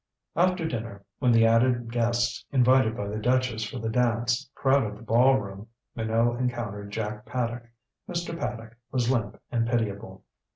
After dinner, when the added guests invited by the duchess for the dance crowded the ballroom, Minot encountered Jack Paddock. Mr. Paddock was limp and pitiable.